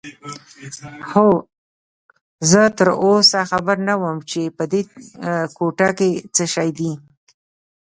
اوه، زه تراوسه خبر نه وم چې په دې کوټه کې څه شی دي.